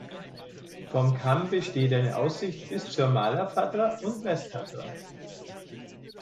Vom Kamm besteht eine Aussicht bis zur Mala Fatra und Westtatra.